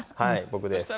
僕です。